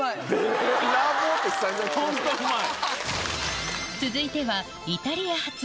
ホントうまい。